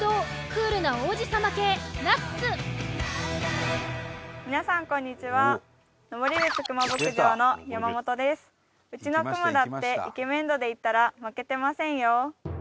クマ牧場の山本ですうちのクマだってイケメン度でいったら負けてませんよ